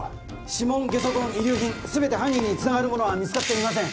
・指紋げそ痕遺留品すべて犯人につながるものは見つかっていません・